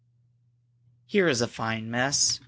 "Here is a fine mess!"